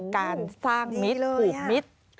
การสร้างมิตรผูกมิตร